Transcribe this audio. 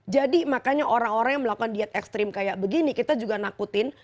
jadi makanya orang orang yang melakukan diet ekstrim kayak begini kita juga nakutin